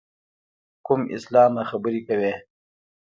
کوم اسلامه خبرې کوې.